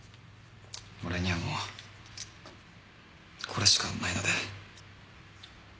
俺にはもうこれしかないので。